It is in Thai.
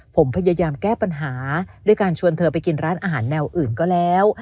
ผมพยายามแก้ปัญหาด้วยการชวนเธอไปกินร้านอาหารแนวอื่นก็แล้ว